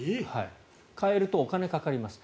変えるとお金がかかります。